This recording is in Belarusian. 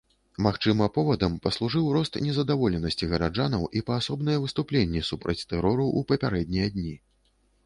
Магчыма, повадам паслужыў рост незадаволенасці гараджанаў і паасобныя выступленні супраць тэрору ў папярэднія дні.